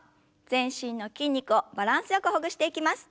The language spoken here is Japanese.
全身の筋肉をバランスよくほぐしていきます。